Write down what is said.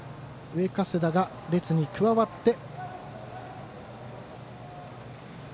上加世田が列に加わって。